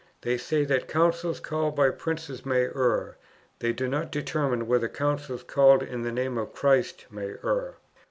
They say that Councils called by princes may err; they do not determine whether Councils called in the name of Christ may err."